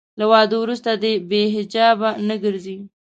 له واده وروسته دې بې حجابه نه ګرځي.